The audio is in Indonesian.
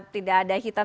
tidak ada hitam